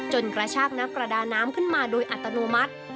กระชากนักประดาน้ำขึ้นมาโดยอัตโนมัติ